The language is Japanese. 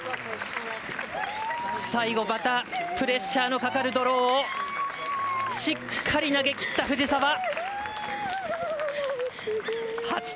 最後、またプレッシャーのかかるドローをしっかり投げきった藤澤。